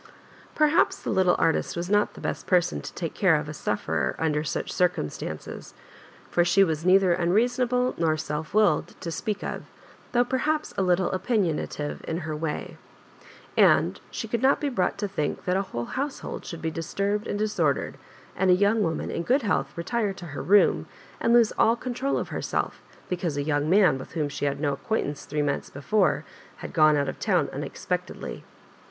Perhaps the little artist was not the best person to take care of a sufferer under such circumstances ; for she was neither unreasonable nor self willed to speak of, tiiough perhaps a little opinionative in her way — and could not be brought to think that a whole household should be disturbed and disordered, and a young woman in good health retire to her room, and lose all control of herself, because a young man, with whom she had no acquaintance three months before, had gone out of town unexpectedly.